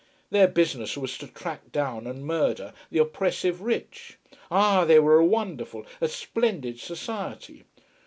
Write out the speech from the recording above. Their business was to track down and murder the oppressive rich. Ah, they were a wonderful, a splendid society.